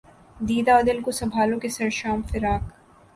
دیدہ و دل کو سنبھالو کہ سر شام فراق